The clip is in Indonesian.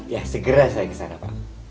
ya segera saya kesana pak